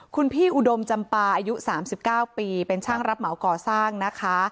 คุณพี่อุดมจำปาอายุ๓๙ปีเป็นช่างรับเหมาก่อสร้างนะคะ